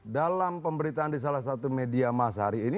dalam pemberitaan di salah satu media mas hari ini